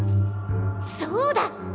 そうだ！